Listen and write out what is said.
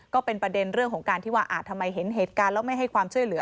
ก็เป็นประเด็นเรื่องของการที่ว่าทำไมเห็นเหตุการณ์แล้วไม่ให้ความช่วยเหลือ